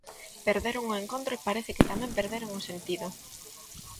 Perderon o encontro e parece que tamén perderon o sentido.